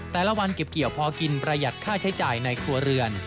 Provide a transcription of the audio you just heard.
แต่ละวันเก็บเกี่ยวพอกินประหยัดค่าใช้จ่ายในครัวเรือน